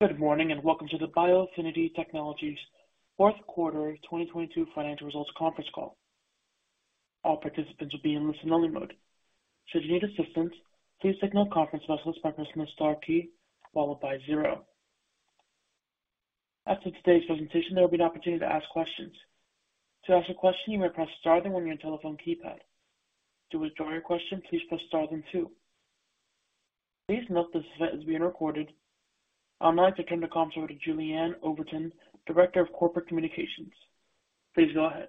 Good morning, and welcome to the bioAffinity Technologies fourth quarter 2022 financial results conference call. All participants will be in listen-only mode. Should you need assistance, please signal conference vessels by pressing the star key followed by zero. After today's presentation, there will be an opportunity to ask questions. To ask a question, you may press star then on your telephone keypad. To withdraw your question, please press star then two. Please note this event is being recorded. I'd like to turn the call over to Julie Anne Overton, Director of Communications. Please go ahead.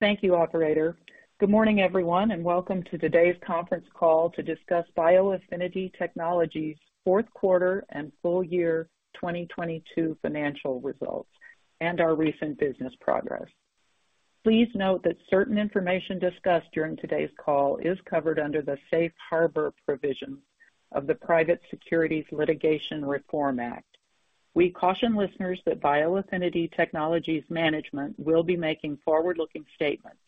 Thank you, operator. Welcome to today's conference call to discuss bioAffinity Technologies fourth quarter and full year 2022 financial results and our recent business progress. Please note that certain information discussed during today's call is covered under the safe harbor provisions of the Private Securities Litigation Reform Act. We caution listeners that bioAffinity Technologies management will be making forward-looking statements.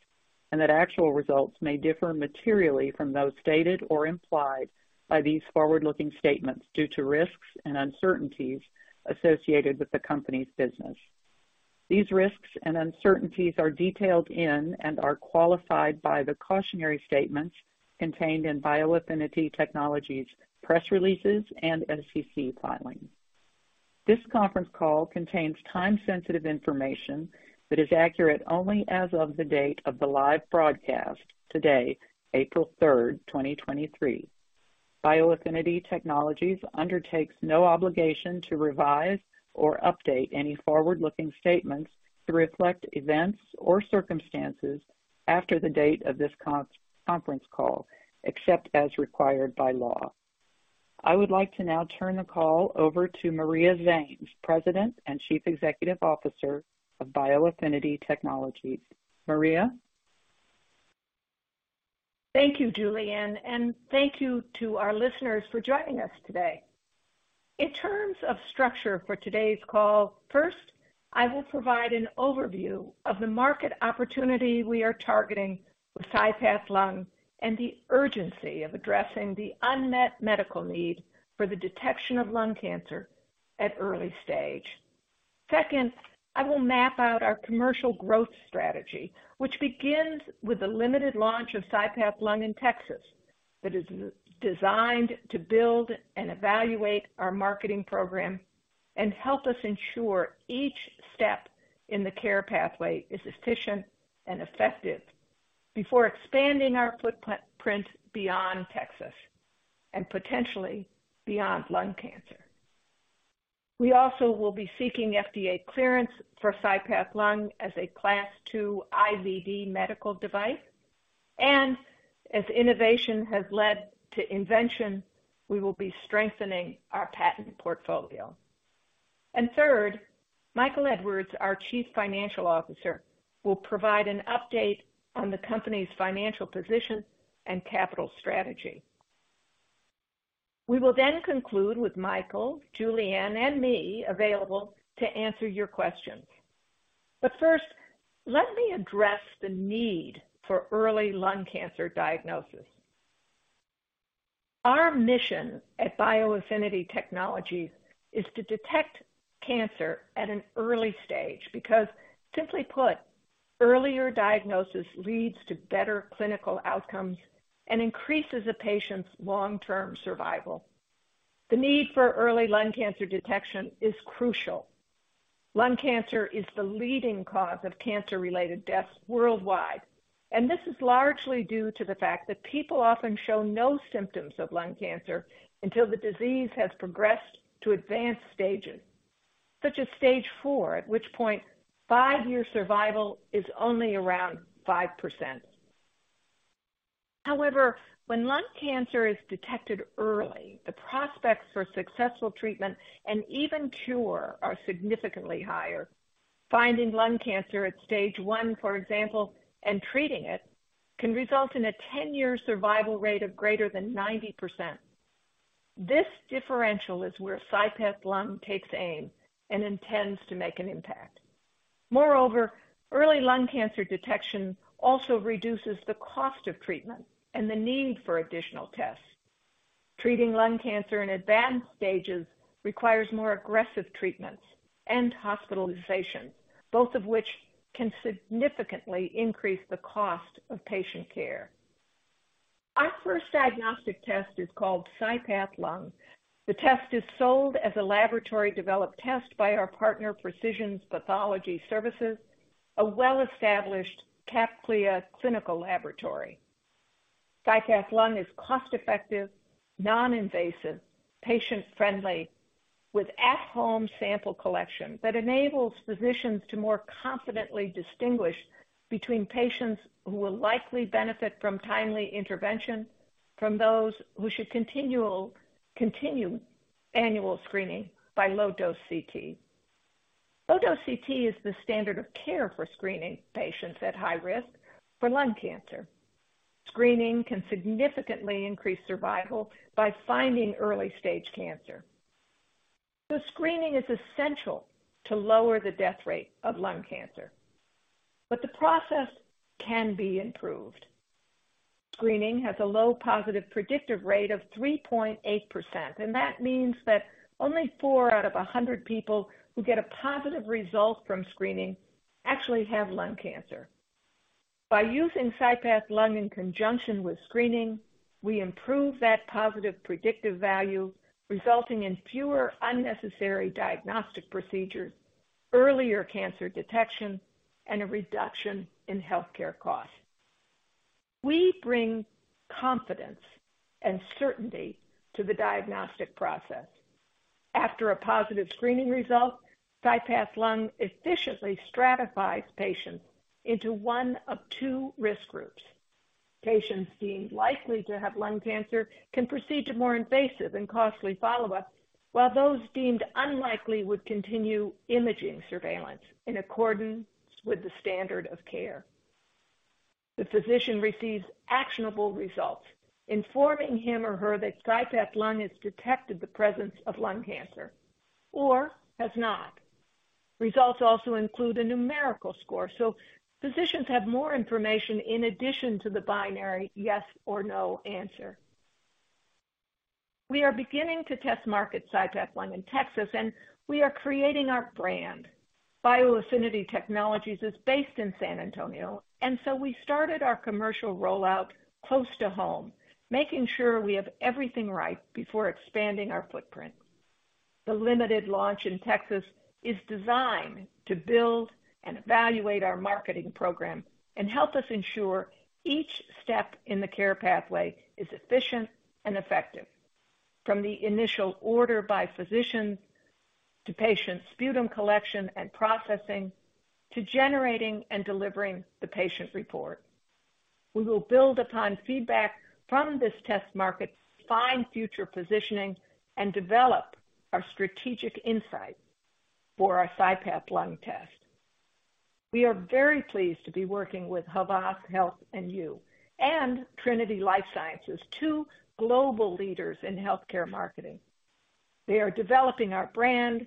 Actual results may differ materially from those stated or implied by these forward-looking statements due to risks and uncertainties associated with the company's business. These risks and uncertainties are detailed in and are qualified by the cautionary statements contained in bioAffinity Technologies press releases and SEC filings. This conference call contains time-sensitive information that is accurate only as of the date of the live broadcast. Today, April 3rd, 2023. BioAffinity Technologies undertakes no obligation to revise or update any forward-looking statements to reflect events or circumstances after the date of this conference call, except as required by law. I would like to now turn the call over to Maria Zannes, President and Chief Executive Officer of bioAffinity Technologies. Maria. Thank you, Julianne, and thank you to our listeners for joining us today. In terms of structure for today's call, first, I will provide an overview of the market opportunity we are targeting with CyPath Lung and the urgency of addressing the unmet medical need for the detection of lung cancer at early stage. Second, I will map out our commercial growth strategy, which begins with the limited launch of CyPath Lung in Texas that is designed to build and evaluate our marketing program and help us ensure each step in the care pathway is efficient and effective before expanding our footprint beyond Texas and potentially beyond lung cancer. We also will be seeking FDA clearance for CyPath Lung as a Class II IVD medical device. As innovation has led to invention, we will be strengthening our patent portfolio. Third, Michael Edwards, our Chief Financial Officer, will provide an update on the company's financial position and capital strategy. We will then conclude with Michael, Julianne, and me available to answer your questions. First, let me address the need for early lung cancer diagnosis. Our mission at bioAffinity Technologies is to detect cancer at an early stage because simply put, earlier diagnosis leads to better clinical outcomes and increases a patient's long-term survival. The need for early lung cancer detection is crucial. Lung cancer is the leading cause of cancer-related deaths worldwide, and this is largely due to the fact that people often show no symptoms of lung cancer until the disease has progressed to advanced stages, such as stage four, at which point five-year survival is only around 5%. However, when lung cancer is detected early, the prospects for successful treatment and even cure are significantly higher. Finding lung cancer at stage one, for example, and treating it, can result in a 10-year survival rate of greater than 90%. This differential is where CyPath Lung takes aim and intends to make an impact. Moreover, early lung cancer detection also reduces the cost of treatment and the need for additional tests. Treating lung cancer in advanced stages requires more aggressive treatments and hospitalization, both of which can significantly increase the cost of patient care. Our first diagnostic test is called CyPath Lung. The test is sold as a laboratory-developed test by our partner, Precision Pathology Services, a well-established CAP/CLIA clinical laboratory. CyPath Lung is cost-effective, non-invasive, patient-friendly with at-home sample collection that enables physicians to more confidently distinguish between patients who will likely benefit from timely intervention from those who should continue annual screening by low-dose CT. low-dose CT is the standard of care for screening patients at high risk for lung cancer. Screening can significantly increase survival by finding early-stage cancer. The screening is essential to lower the death rate of lung cancer, but the process can be improved. Screening has a low positive predictive rate of 3.8%, and that means that only four out of 100 people who get a positive result from screening actually have lung cancer. By using CyPath Lung in conjunction with screening, we improve that positive predictive value, resulting in fewer unnecessary diagnostic procedures, earlier cancer detection, and a reduction in healthcare costs. We bring confidence and certainty to the diagnostic process. After a positive screening result, CyPath Lung efficiently stratifies patients into one of two risk groups. Patients deemed likely to have lung cancer can proceed to more invasive and costly follow-up, while those deemed unlikely would continue imaging surveillance in accordance with the standard of care. The physician receives actionable results informing him or her that CyPath Lung has detected the presence of lung cancer or has not. Results also include a numerical score, so physicians have more information in addition to the binary yes or no answer. We are beginning to test market CyPath Lung in Texas, and we are creating our brand. bioAffinity Technologies is based in San Antonio, and so we started our commercial rollout close to home, making sure we have everything right before expanding our footprint. The limited launch in Texas is designed to build and evaluate our marketing program and help us ensure each step in the care pathway is efficient and effective, from the initial order by physicians to patient sputum collection and processing, to generating and delivering the patient report. We will build upon feedback from this test market, find future positioning, and develop our strategic insight for our CyPath Lung test. We are very pleased to be working with Havas Health & You and Trinity Life Sciences, two global leaders in healthcare marketing. They are developing our brand,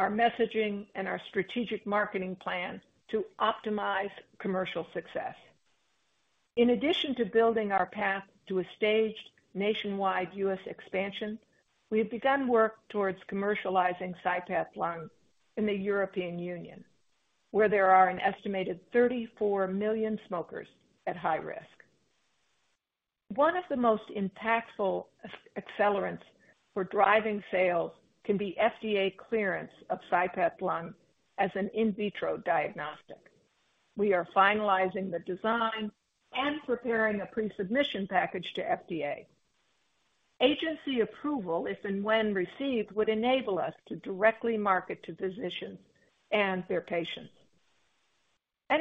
our messaging, and our strategic marketing plan to optimize commercial success. In addition to building our path to a staged nationwide US expansion, we have begun work towards commercializing CyPath Lung in the European Union, where there are an estimated 34 million smokers at high risk. One of the most impactful accelerants for driving sales can be FDA clearance of CyPath Lung as an in vitro diagnostic. We are finalizing the design and preparing a pre-submission package to FDA. Agency approval, if and when received, would enable us to directly market to physicians and their patients.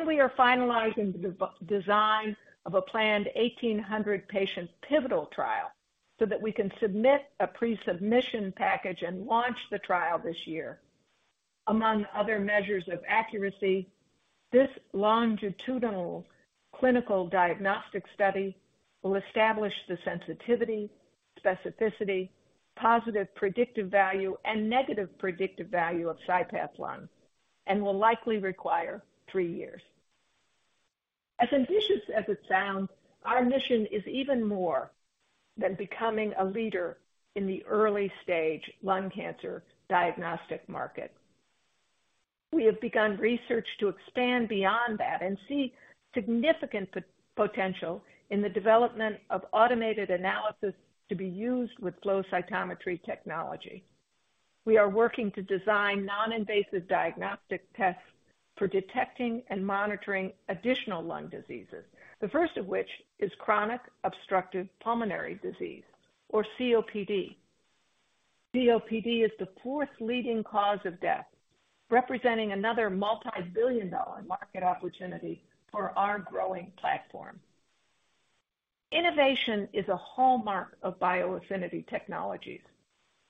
We are finalizing the design of a planned 1,800 patient pivotal trial so that we can submit a pre-submission package and launch the trial this year. Among other measures of accuracy, this longitudinal clinical diagnostic study will establish the sensitivity, specificity, positive predictive value, and negative predictive value of CyPath Lung and will likely require three years. As ambitious as it sounds, our mission is even more than becoming a leader in the early stage lung cancer diagnostic market. We have begun research to expand beyond that and see significant potential in the development of automated analysis to be used with flow cytometry technology. We are working to design non-invasive diagnostic tests for detecting and monitoring additional lung diseases, the first of which is chronic obstructive pulmonary disease, or COPD. COPD is the fourth leading cause of death, representing another multibillion-dollar market opportunity for our growing platform. Innovation is a hallmark of bioAffinity Technologies.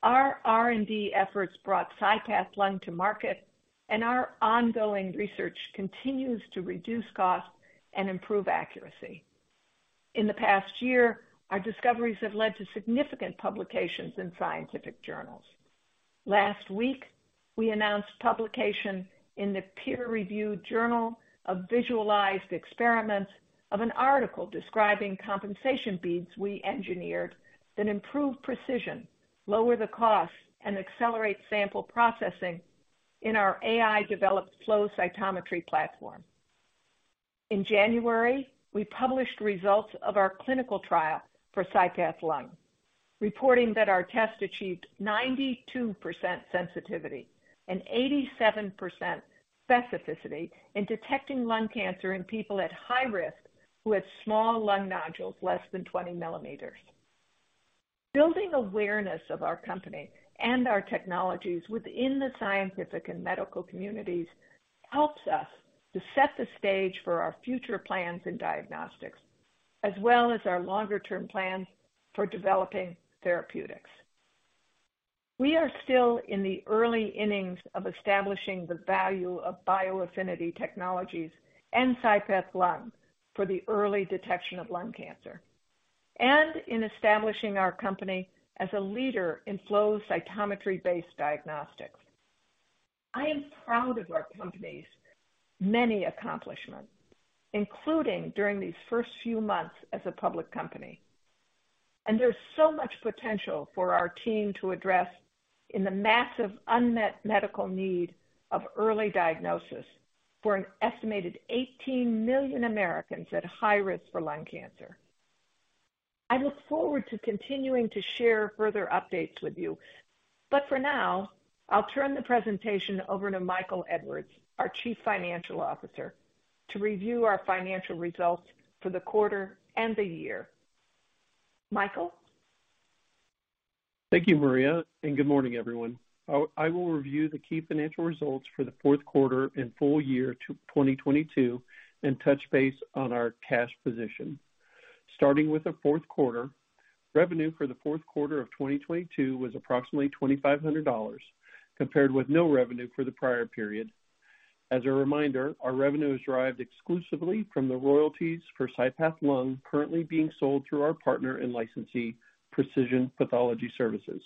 Our R&D efforts brought CyPath Lung to market, and our ongoing research continues to reduce costs and improve accuracy. In the past year, our discoveries have led to significant publications in scientific journals. Last week, we announced publication in the peer-reviewed Journal of Visualized Experiments of an article describing compensation beads we engineered that improve precision, lower the cost, and accelerate sample processing in our AI-developed flow cytometry platform. In January, we published results of our clinical trial for CyPath Lung, reporting that our test achieved 92% sensitivity and 87 specificity in detecting lung cancer in people at high risk who had small lung nodules less than 20 millimeters. Building awareness of our company and our technologies within the scientific and medical communities helps us to set the stage for our future plans in diagnostics, as well as our longer-term plans for developing therapeutics. We are still in the early innings of establishing the value of bioAffinity Technologies and CyPath Lung for the early detection of lung cancer and in establishing our company as a leader in flow cytometry-based diagnostics. I am proud of our company's many accomplishments, including during these first few months as a public company. There's so much potential for our team to address in the massive unmet medical need of early diagnosis for an estimated 18 million Americans at high risk for lung cancer. I look forward to continuing to share further updates with you, for now, I'll turn the presentation over to Michael Edwards, our Chief Financial Officer, to review our financial results for the quarter and the year. Michael? Thank you, Maria. Good morning, everyone. I will review the key financial results for the fourth quarter and full year 2022 and touch base on our cash position. Starting with the fourth quarter, revenue for the fourth quarter of 2022 was approximately $2,500, compared with no revenue for the prior period. As a reminder, our revenue is derived exclusively from the royalties for CyPath Lung currently being sold through our partner and licensee, Precision Pathology Services.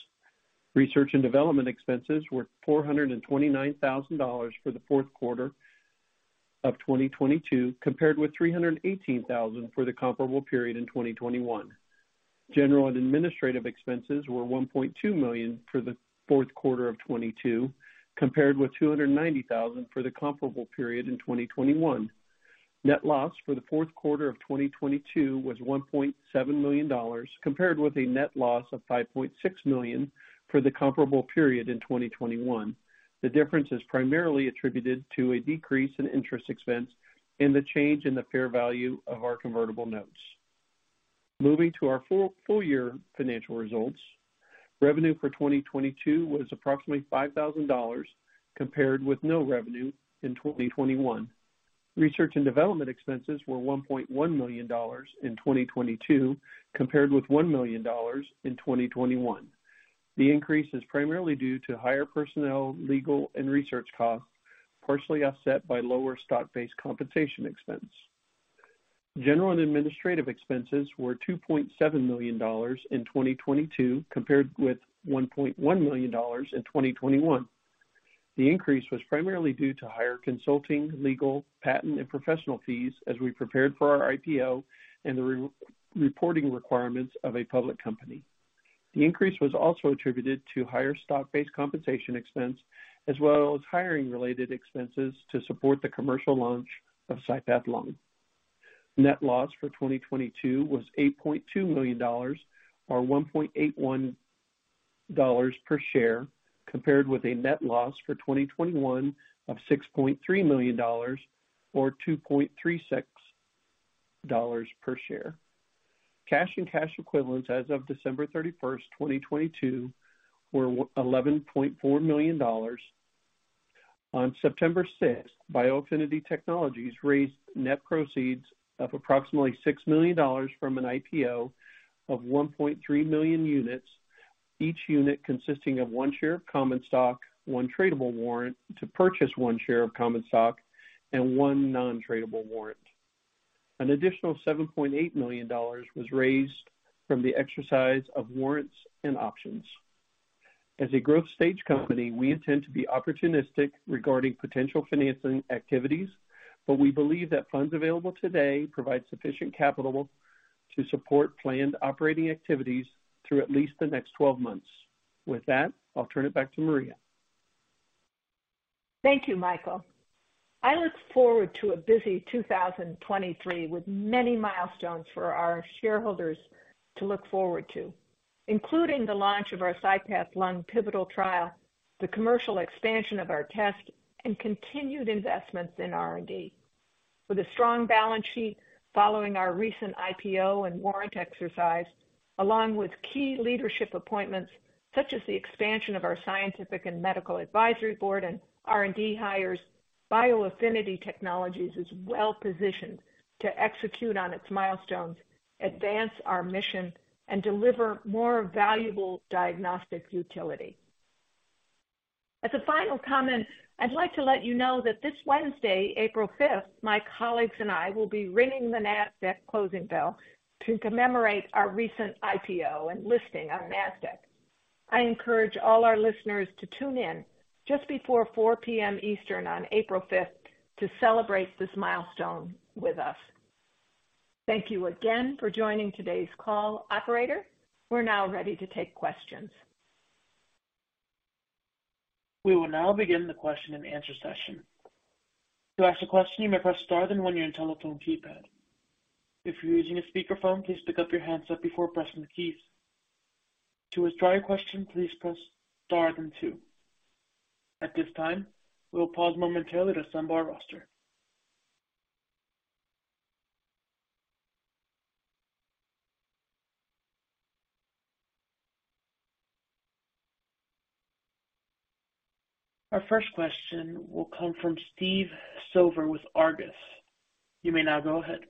Research and development expenses were $429,000 for the fourth quarter of 2022, compared with $318,000 for the comparable period in 2021. General and administrative expenses were $1.2 million for the fourth quarter of 2022, compared with $290,000 for the comparable period in 2021. Net loss for the fourth quarter of 2022 was $1.7 million, compared with a net loss of $5.6 million for the comparable period in 2021. The difference is primarily attributed to a decrease in interest expense and the change in the fair value of our convertible notes. Moving to our full year financial results, revenue for 2022 was approximately $5,000, compared with no revenue in 2021. Research and development expenses were $1.1 million in 2022, compared with $1 million in 2021. The increase is primarily due to higher personnel, legal, and research costs, partially offset by lower stock-based compensation expense. General and administrative expenses were $2.7 million in 2022, compared with $1.1 million in 2021. The increase was primarily due to higher consulting, legal, patent, and professional fees as we prepared for our IPO and the re-reporting requirements of a public company. The increase was also attributed to higher stock-based compensation expense as well as hiring-related expenses to support the commercial launch of CyPath Lung. Net loss for 2022 was $8.2 million or $1.81 per share, compared with a net loss for 2021 of $6.3 million or $2.36 per share. Cash and cash equivalents as of December 31st, 2022, were $11.4 million. On September sixth, bioAffinity Technologies raised net proceeds of approximately $6 million from an IPO of 1.3 million units, each unit consisting of one share of common stock, one tradable warrant to purchase one share of common stock, and one non-tradable warrant. An additional $7.8 million was raised from the exercise of warrants and options. As a growth stage company, we intend to be opportunistic regarding potential financing activities, but we believe that funds available today provide sufficient capital to support planned operating activities through at least the next 12 months. With that, I'll turn it back to Maria. Thank you, Michael. I look forward to a busy 2023 with many milestones for our shareholders to look forward to, including the launch of our CyPath Lung pivotal trial, the commercial expansion of our test, and continued investments in R&D. With a strong balance sheet following our recent IPO and warrant exercise, along with key leadership appointments such as the expansion of our scientific and medical advisory board and R&D hires, bioAffinity Technologies is well positioned to execute on its milestones, advance our mission, and deliver more valuable diagnostic utility. As a final comment, I'd like to let you know that this Wednesday, April fifth, my colleagues and I will be ringing the Nasdaq closing bell to commemorate our recent IPO and listing on Nasdaq. I encourage all our listeners to tune in just before 4:00 P.M. Eastern on April5th to celebrate this milestone with us. Thank you again for joining today's call. Operator, we're now ready to take questions. We will now begin the question and answer session. To ask a question, you may press star then one on your telephone keypad. If you're using a speakerphone, please pick up your handset before pressing the keys. To withdraw your question, please press star then two. At this time, we will pause momentarily to assemble our roster. Our first question will come from Steve Silver with Argus. You may now go ahead.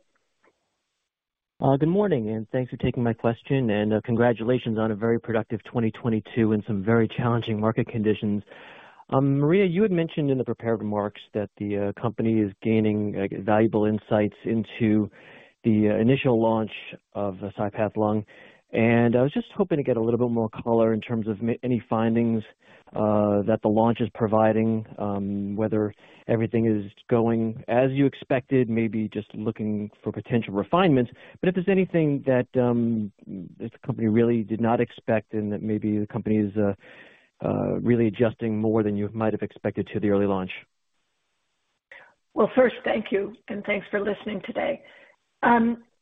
Good morning, and thanks for taking my question, and congratulations on a very productive 2022 and some very challenging market conditions. Maria, you had mentioned in the prepared remarks that the company is gaining valuable insights into the initial launch of the CyPath Lung. I was just hoping to get a little bit more color in terms of any findings that the launch is providing, whether everything is going as you expected, maybe just looking for potential refinements. If there's anything that this company really did not expect and that maybe the company is really adjusting more than you might have expected to the early launch. First, thank you, and thanks for listening today.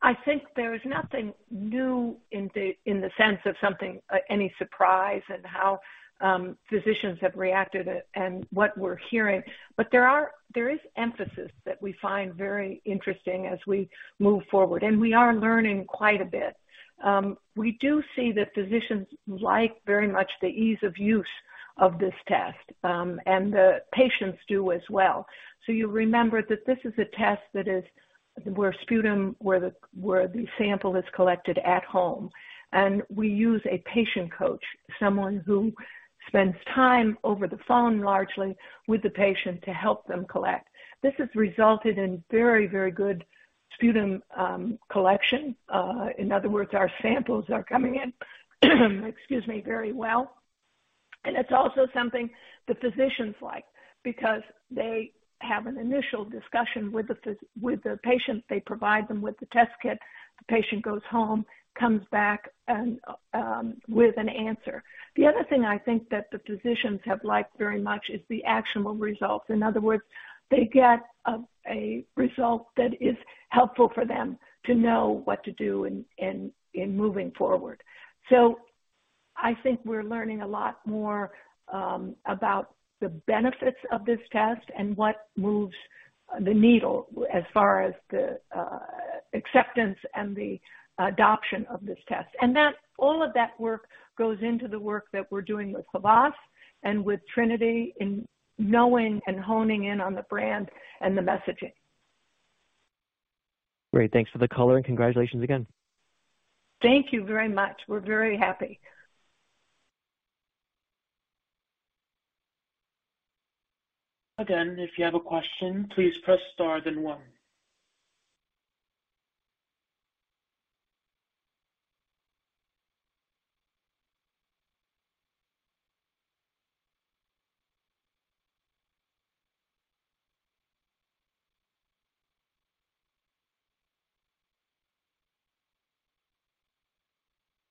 I think there is nothing new in the, in the sense of something, any surprise in how physicians have reacted and what we're hearing. There is emphasis that we find very interesting as we move forward, and we are learning quite a bit. We do see that physicians like very much the ease of use of this test, and the patients do as well. You remember that this is a test that is where sputum, where the sample is collected at home, and we use a patient coach, someone who spends time over the phone, largely with the patient to help them collect. This has resulted in very, very good sputum, collection. In other words, our samples are coming in excuse me, very well. It's also something the physicians like because they have an initial discussion with the patient. They provide them with the test kit. The patient goes home, comes back and with an answer. The other thing I think that the physicians have liked very much is the actionable results. In other words, they get a result that is helpful for them to know what to do in moving forward. I think we're learning a lot more about the benefits of this test and what moves the needle as far as the acceptance and the adoption of this test. That all of that work goes into the work that we're doing with Havas and with Trinity in knowing and honing in on the brand and the messaging. Great. Thanks for the color and congratulations again. Thank you very much. We're very happy. Again, if you have a question, please press star then one.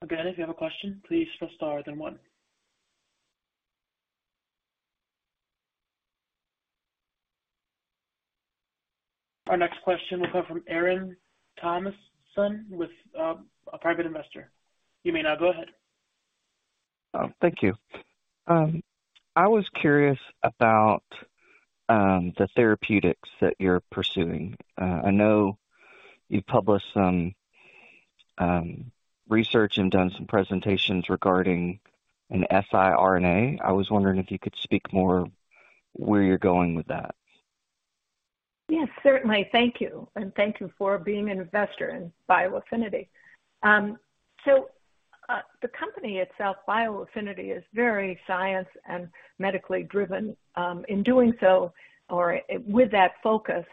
Again, if you have a question, please press star then one. Our next question will come from Aaron Thomason with a private investor. You may now go ahead. Thank you. I was curious about the therapeutics that you're pursuing. I know you've published some research and done some presentations regarding an siRNA. I was wondering if you could speak more where you're going with that. Yes, certainly. Thank you. Thank you for being an investor in bioAffinity. The company itself, bioAffinity, is very science and medically driven. In doing so or with that focus,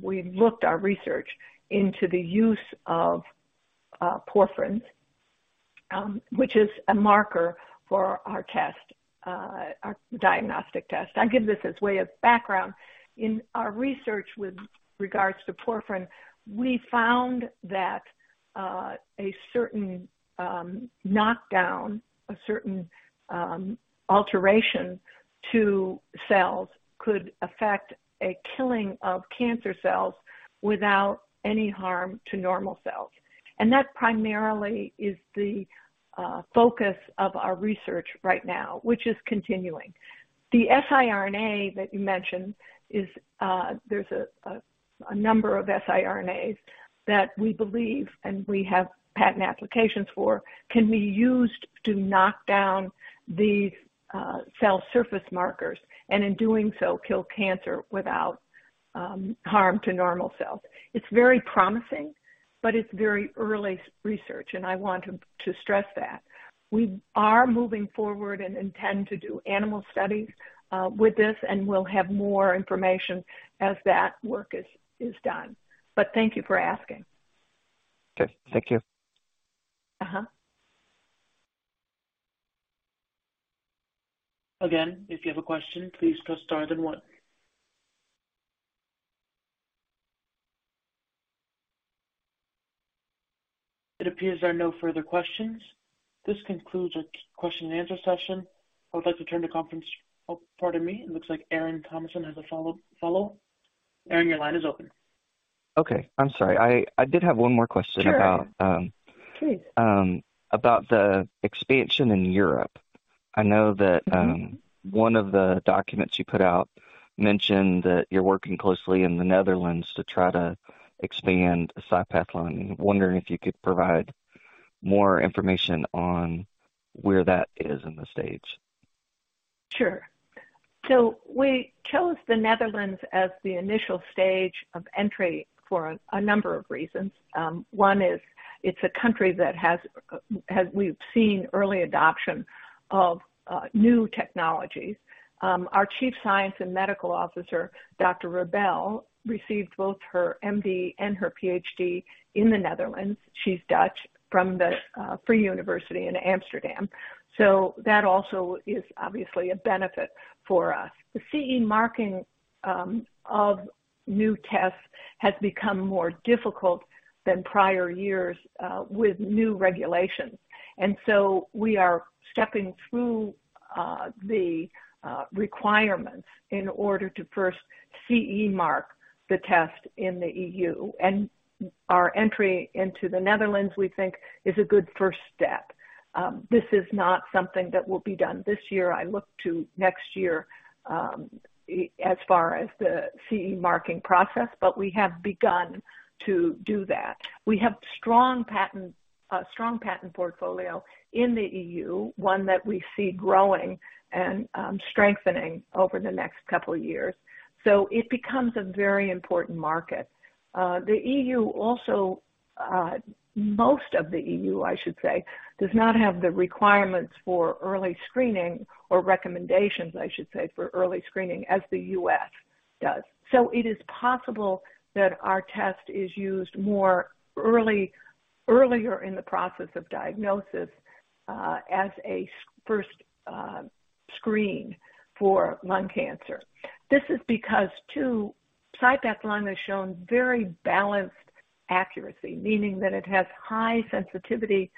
we looked our research into the use of porphyrins, which is a marker for our test, our diagnostic test. I give this as way of background. In our research with regards to porphyrin, we found that a certain knockdown, a certain alteration to cells could affect a killing of cancer cells without any harm to normal cells. That primarily is the focus of our research right now, which is continuing. The siRNA that you mentioned is, there's a number of siRNAs that we believe and we have patent applications for, can be used to knock down the cell surface markers and in doing so, kill cancer without harm to normal cells. It's very promising, but it's very early research, and I want to stress that. We are moving forward and intend to do animal studies with this, and we'll have more information as that work is done. Thank you for asking. Okay. Thank you. Uh-huh. Again, if you have a question, please press star then one. It appears there are no further questions. This concludes our question and answer session. I would like to turn the conference... Oh, pardon me. It looks like Aaron Thomason has a follow. Aaron, your line is open. Okay. I'm sorry. I did have one more question. Sure. About. Please. About the expansion in Europe. I know. Mm-hmm. One of the documents you put out mentioned that you're working closely in the Netherlands to try to expand CyPath Lung. I'm wondering if you could provide more information on where that is in the stage. Sure. We chose the Netherlands as the initial stage of entry for a number of reasons. One is it's a country that has we've seen early adoption of new technologies. Our Chief Science and Medical Officer, Dr. Rebel, received both her MD and her PhD in the Netherlands. She's Dutch from the Vrije Universiteit Amsterdam. That also is obviously a benefit for us. The CE marking of new tests has become more difficult than prior years with new regulations. We are stepping through the requirements in order to first CE mark the test in the EU. Our entry into the Netherlands, we think is a good first step. This is not something that will be done this year. I look to next year, as far as the CE marking process, but we have begun to do that. We have strong patent, strong patent portfolio in the EU, one that we see growing and strengthening over the next couple of years, so it becomes a very important market. The EU also, most of the EU, I should say, does not have the requirements for early screening or recommendations, I should say, for early screening as the U.S. does. It is possible that our test is used more early, earlier in the process of diagnosis, as a first screen for lung cancer. This is because two, CyPath Lung has shown very balanced accuracy, meaning that it has high sensitivity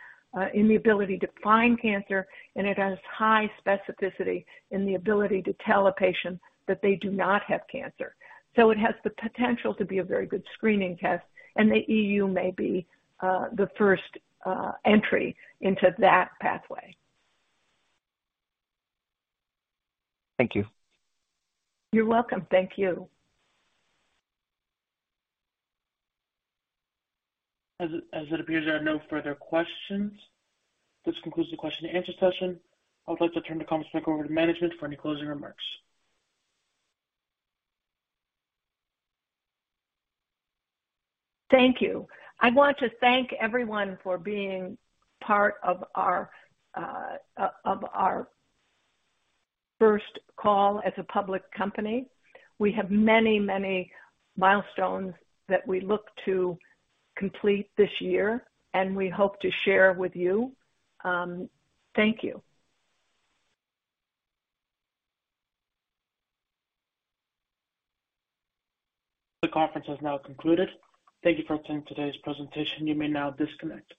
in the ability to find cancer, and it has high specificity in the ability to tell a patient that they do not have cancer. It has the potential to be a very good screening test, and the EU may be the first entry into that pathway. Thank you. You're welcome. Thank you. As it appears there are no further questions, this concludes the question-and-answer session. I would like to turn the conference back over to management for any closing remarks. Thank you. I want to thank everyone for being part of our first call as a public company. We have many milestones that we look to complete this year, and we hope to share with you. Thank you. The conference has now concluded. Thank you for attending today's presentation. You may now disconnect.